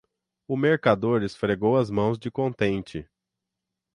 O mercador esfregou as mãos de contente.